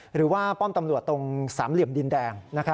หรือว่าป้อมตำรวจตรงสามเหลี่ยมดินแดง